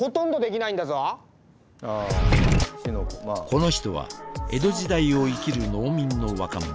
この人は江戸時代を生きる農民の若者。